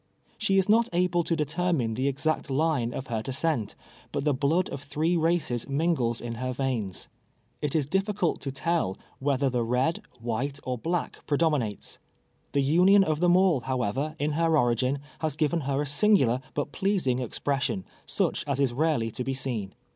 She is not able to determine the exact line of her de scent, but the blood of three races mingles in her veins. It is difficult to tell whether the red, white, or black predominates. The union of them all, however, in her origin, has given her a singular but pleasing expression, such as is rarely to be seen.